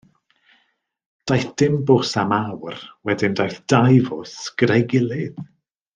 Daeth dim bws am awr, wedyn daeth dau fws gyda'i gilydd.